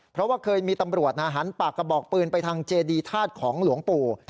เพราะว่าเคยมีตำรวจหันปากกระบอกปืนไปทางเจดีธาตุของหลวงปู่